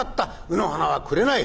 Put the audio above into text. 卯の花はくれない。